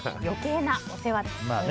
余計なお世話です。